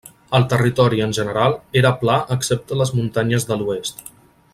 El territori en general era pla excepte les muntanyes de l'oest.